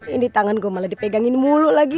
ini tangan gue malah dipegangin mulu lagi